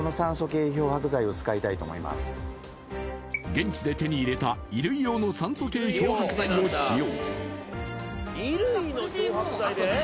現地で手に入れた衣類用の酸素系漂白剤を使用。